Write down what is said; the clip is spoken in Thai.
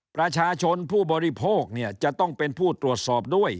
ประชาชนผู้บริโภคเนี่ยจะต้องเป็นผู้ตรวจสอบด้วย